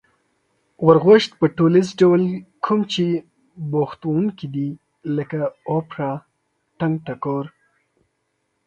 غورغوشت په ټولیز ډول کوم چې بوختوونکي دی لکه: اوپرا، ټنگټکور